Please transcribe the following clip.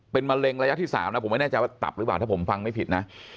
เป็นมะเร็งระยะที่๓นะผมไม่แน่ใจว่าตับหรือเปล่าถ้าผมฟังไม่ผิดนะ